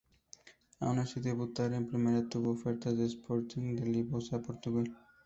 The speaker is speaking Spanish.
Aún sin debutar en primera tuvo ofertas del Sporting de Lisboa de Portugal.